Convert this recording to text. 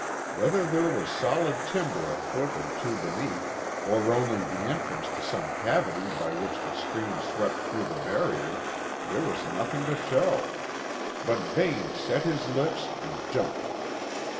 Whether there was solid timber a foot or two beneath, or only the entrance to some cavity by which the stream swept through the barrier, there was nothing to show, but Vane set his lips and jumped.